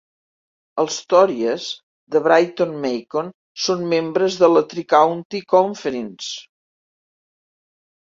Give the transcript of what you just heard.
Els "tories" de Britton-Macon són membres de la Tri-County Conference.